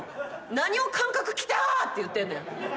何を「感覚来た！」って言ってんねん。